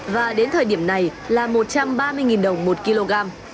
và đến thời điểm này là một trăm ba mươi đồng một kg